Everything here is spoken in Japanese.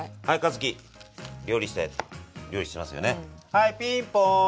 「はいピンポーン！